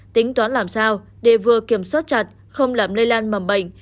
tính toán làm sao để vừa kiểm soát chặt không làm lây lan mầm bệnh